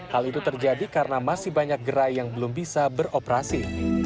hal itu terjadi karena masih banyak gerai yang belum bisa beroperasi